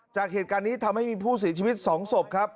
จากเหตุการณ์นี้ทำให้มีผู้เสียชีวิต๒ศพครับ